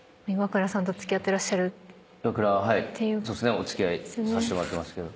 お付き合いさせてもらってますけど。